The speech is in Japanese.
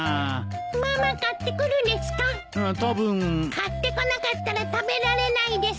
買ってこなかったら食べられないです。